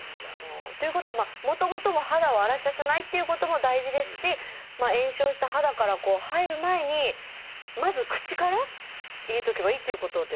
ということはもともとの肌を荒れさせないっていうことも大事ですし炎症した肌から入る前にまず口から入れておけばいいっていうことですよね。